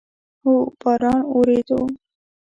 هو، باران اوورېدو